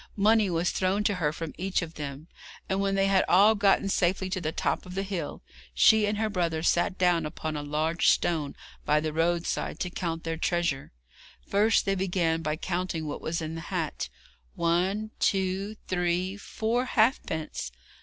Money was thrown to her from each of them, and when they had all gotten safely to the top of the hill, she and her brother sat down upon a large stone by the roadside to count their treasure. First they began by counting what was in the hat 'One, two, three, four halfpence.'